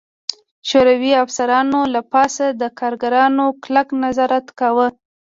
شوروي افسرانو له پاسه د کارګرانو کلک نظارت کاوه